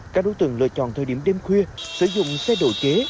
các đối tượng lựa chọn thời điểm đêm khuya sử dụng xe độ chế